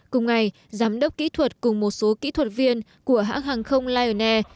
cùng ngày giám đốc kỹ thuật cùng một số kỹ thuật viên của hãng hàng không lion air